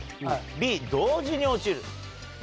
Ｂ同時に落ちる。